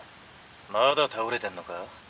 まだ倒れてんのか？